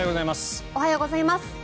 おはようございます。